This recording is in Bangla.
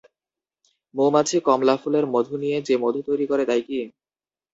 মৌমাছি কমলা ফুলের মধু নিয়ে যে মধু তৈরি করে তা-ই কি?